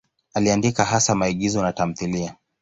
Aliandika hasa maigizo na tamthiliya.